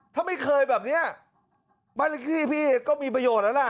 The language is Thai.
ถ้าไม่เคยแบบเนี้ยบางทีพี่ก็มีประโยชน์แล้วน่ะ